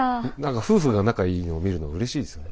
夫婦が仲いいのを見るのうれしいですよね。